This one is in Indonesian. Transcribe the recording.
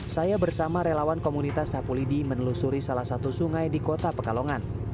saya bersama relawan komunitas sapulidi menelusuri salah satu sungai di kota pekalongan